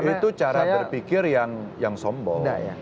itu cara berpikir yang sombong